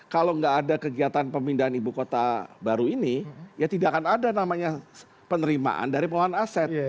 kalau nggak ada kegiatan pemindahan ibu kota baru ini ya tidak akan ada namanya penerimaan dari pengelolaan aset